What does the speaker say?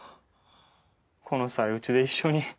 この際うちで一緒に。